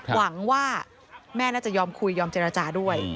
หวังว่าแม่น่าจะยอมคุยยอมเจรจาด้วย